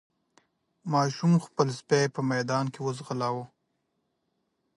ماشوم خپل سپی په ميدان کې وځغلاوه.